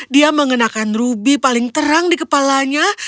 dia mengenakan rubi paling terang di kepalanya